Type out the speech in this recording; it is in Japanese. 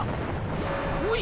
おい！